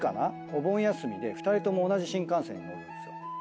お盆休みで２人とも同じ新幹線に乗るんですよ。